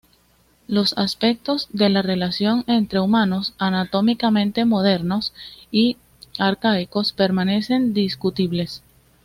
Los aspectos de la relación entre humanos anatómicamente modernos y arcaicos permanecen discutibles.